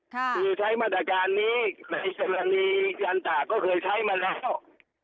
คือใช้มาตรการนี้ในกรณีการตากก็เคยใช้มาแล้ว